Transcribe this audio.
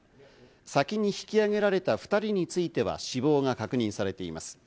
先に引き揚げられた２人については死亡が確認されています。